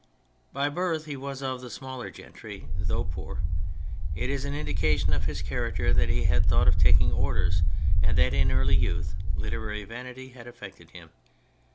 By birth he was of the smaller gentry, though poor. It is an indication of his char acter that he had thought of taking Orders, and that in early youth literary vanity had affected him.